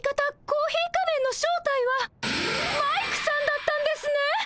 コーヒー仮面の正体はマイクさんだったんですね！